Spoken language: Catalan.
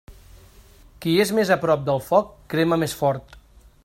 Qui és més a prop del foc, crema més fort.